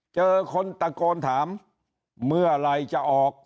เจอคนตะโกนถามเมื่อไหร่จะออก